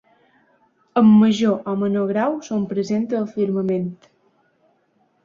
En major o menor grau, són presents al firmament.